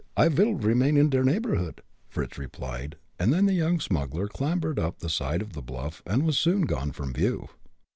I vil remain in der neighborhood," Fritz replied, and then the young smuggler clambered up the side of the bluff, and was soon gone from view.